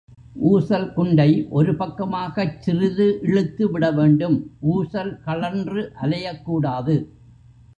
ஊசல் குண்டை ஒரு பக்கமாகச் சிறிது இழுத்து விட வேண்டும் ஊசல் கழன்று அலையக் கூடாது.